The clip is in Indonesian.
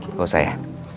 gak usah ya